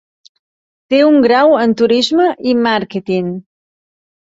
Té un grau en Turisme i Màrqueting.